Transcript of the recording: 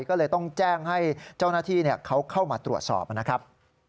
ก็เลยต้องแจ้งให้เจ้าหน้าที่เข้ามาตรวจสอบ